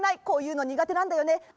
こういうのにがてなんだよね。